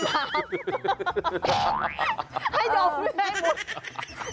ให้ยมไม่ให้มุด